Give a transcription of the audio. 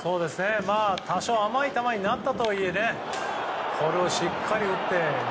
多少甘い球になったとはいえこれをしっかり打って。